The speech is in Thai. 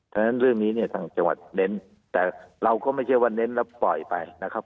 ฉะนั้นเรื่องนี้เนี่ยต่างจังหวัดเน้นแต่เราก็ไม่ใช่ว่าเน้นแล้วปล่อยไปนะครับ